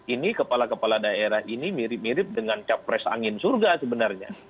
ini kepala kepala daerah ini mirip mirip dengan capres angin surga sebenarnya